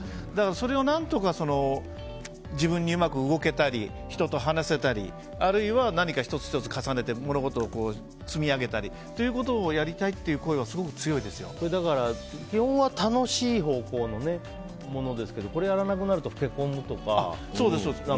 それを何とか自分にうまく動けたり人と話せたりあるいは何か１つ１つ重ねて物事を積み上げたりということをやりたいという声は基本は楽しい方向のものですけどこれやらなくなると老け込んだりとか。